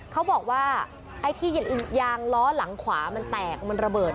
เขาบอกว่าไอ้ที่ยางล้อหลังขวามันแตกมันระเบิด